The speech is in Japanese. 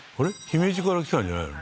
姫路から来たんじゃないの？